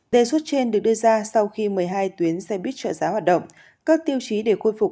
đề xuất trên được đưa ra sau khi một mươi hai tuyến xe buýt trợ giá hoạt động các tiêu chí để khôi phục